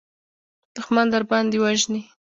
دښمن درباندې وژني.